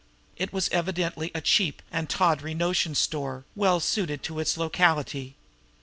It was evidently a cheap and tawdry notion store, well suited to its locality.